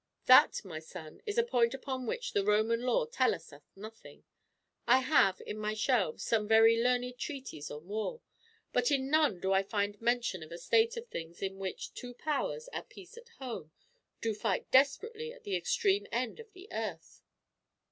"That, my son, is a point upon which the Roman law telleth us nothing. I have, in my shelves, some very learned treatises on war; but in none do I find mention of a state of things in which two powers, at peace at home, do fight desperately at the extreme end of the earth."